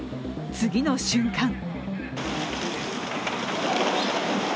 次の瞬間